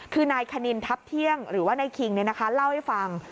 คือนายคณินทัพเที่ยงหรือว่านายคิงเล่าให้ฟัง